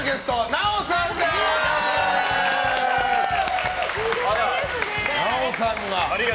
奈緒さんが。